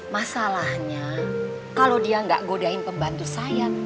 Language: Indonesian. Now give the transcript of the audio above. masalahnya kalau dia nggak godain pembantu saya